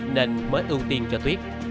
nên mới ưu tiên cho tuyết